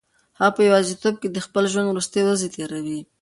هغه په یوازیتوب کې د خپل ژوند وروستۍ ورځې تېروي.